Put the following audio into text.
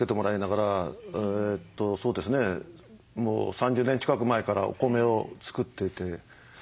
３０年近く前からお米を作っていて。